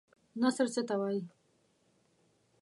نثر څه ته وايي؟